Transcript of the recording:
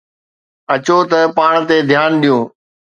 اچو ته پاڻ تي ڌيان ڏيو.